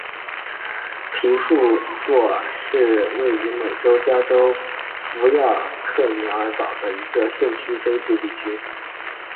皮斯富尔派因斯是位于美国加利福尼亚州阿尔派恩县的一个非建制地区。